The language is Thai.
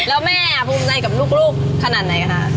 แล้วแม่ภูมิใจกับลูกขนาดไหนคะ